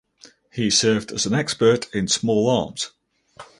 He served as an expert in small arms.